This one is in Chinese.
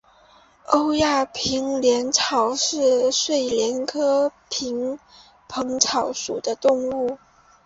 欧亚萍蓬草是睡莲科萍蓬草属的植物。